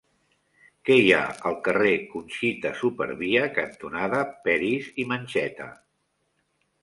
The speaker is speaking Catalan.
Què hi ha al carrer Conxita Supervia cantonada Peris i Mencheta?